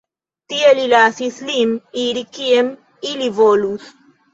Tie li lasis ilin iri kien ili volus.